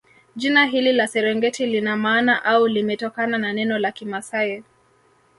Jina hili la Serengeti lina maana au limetokana na neno la kimasai